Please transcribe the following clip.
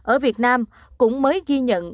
ở việt nam cũng mới ghi nhận